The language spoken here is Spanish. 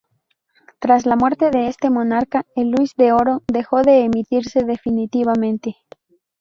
Tras la muerte de este monarca, el luis de oro dejó de emitirse definitivamente.